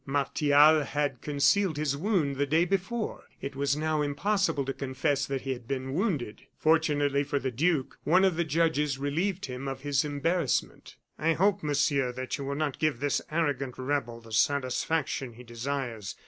Martial had concealed his wound the day before; it was now impossible to confess that he had been wounded. Fortunately for the duke, one of the judges relieved him of his embarrassment. "I hope, Monsieur, that you will not give this arrogant rebel the satisfaction he desires.